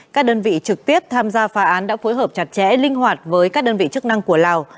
các đơn vị trực tiếp tham gia phá án đã phối hợp chặt chẽ linh hoạt với các đơn vị chức năng của lào